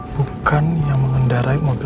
bukan yang mengendarai